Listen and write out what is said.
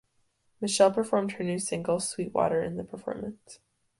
Michelle performed her new single "Sweet Water" in the performance.